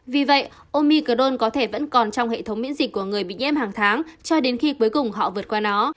vì vậy omicdone có thể vẫn còn trong hệ thống miễn dịch của người bị nhiễm hàng tháng cho đến khi cuối cùng họ vượt qua nó